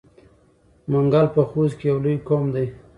منګل په خوست کې یو لوی قوم دی.